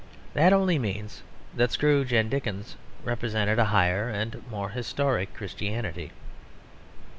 That only means that Scrooge and Dickens represented a higher and more historic Christianity.